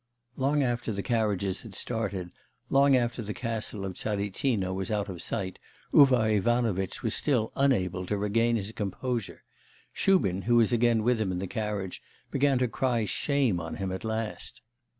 Long after the carriages had started, long after the castle of Tsaritsino was out of sight, Uvar Ivanovitch was still unable to regain his composure. Shubin, who was again with him in the carriage, began to cry shame on him at last.